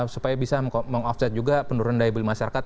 supaya bisa meng offset juga penurunan daya beli masyarakat